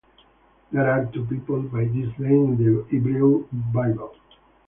There are two people by this name in the Hebrew Bible.